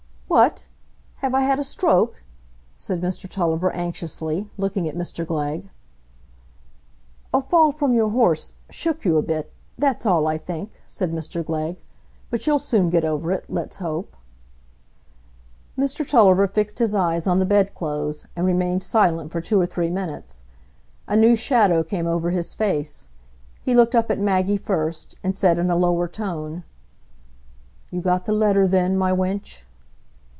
"What! have I had a stroke?" said Mr Tulliver, anxiously, looking at Mr Glegg. "A fall from your horse—shook you a bit,—that's all, I think," said Mr Glegg. "But you'll soon get over it, let's hope." Mr Tulliver fixed his eyes on the bed clothes, and remained silent for two or three minutes. A new shadow came over his face. He looked up at Maggie first, and said in a lower tone, "You got the letter, then, my wench?"